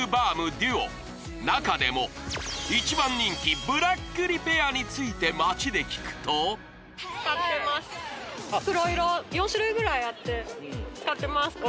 ＤＵＯ中でも一番人気ブラックリペアについて街で聞くとがしました